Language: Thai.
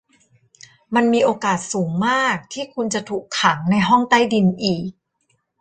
มันมีโอกาสสูงมากที่คุณจะถูกขังในห้องใต้ดินอีก